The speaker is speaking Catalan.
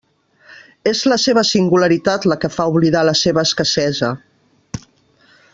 És la seva singularitat la que fa oblidar la seva escassesa.